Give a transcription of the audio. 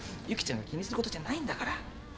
由岐ちゃんが気にすることじゃないんだから。